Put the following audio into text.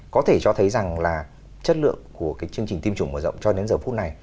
có thể cho thấy rằng là chất lượng của cái chương trình tiêm chủng mở rộng cho đến giờ phút này